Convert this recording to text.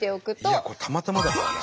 いやこれたまたまだからな。